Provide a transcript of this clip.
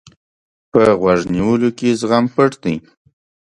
په غوږ نیولو کې زغم پټ دی.